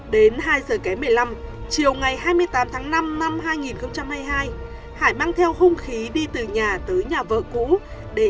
đến hai giờ kém một mươi năm chiều ngày hai mươi tám tháng năm năm hai nghìn hai mươi hai hải mang theo hung khí đi từ nhà tới nhà vợ cũ